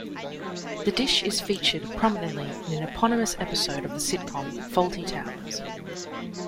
The dish is featured prominently in an eponymous episode of the sitcom "Fawlty Towers".